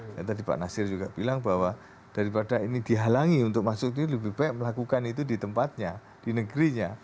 yang tadi pak nasir juga bilang bahwa daripada ini dihalangi untuk masuk ini lebih baik melakukan itu di tempatnya di negerinya